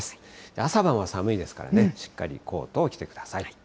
朝晩は寒いですからね、しっかりコートを着てください。